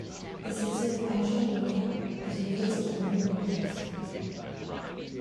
The city of Banja Luka is located on the river banks.